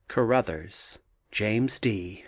CORROTHERS, JAMES D.